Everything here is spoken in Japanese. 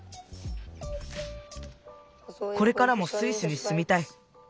これからもスイスにすみたい。